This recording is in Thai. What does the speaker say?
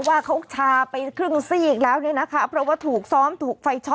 ว่าเขาชาไปครึ่งซีกแล้วเนี่ยนะคะเพราะว่าถูกซ้อมถูกไฟช็อ